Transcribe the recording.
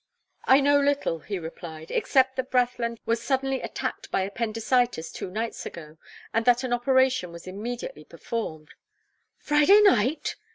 "I know little," he replied; "except that Brathland was suddenly attacked by appendicitis two nights ago and that an operation was immediately performed " "Friday night!"